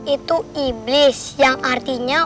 itu iblis yang artinya